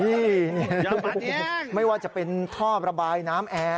นี่ไม่ว่าจะเป็นท่อระบายน้ำแอร์